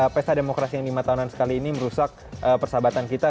pesta demokrasi yang lima tahunan sekali ini merusak persahabatan kita